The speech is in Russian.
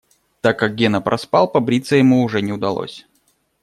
Так как Гена проспал, побриться ему уже не удалось.